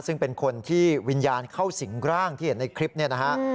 ซึ่งเป็นคนที่วิญญาณเข้าสิงร่างที่เห็นในคลิปนี้นะฮะ